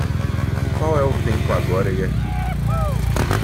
Qual é o tempo agora e aqui?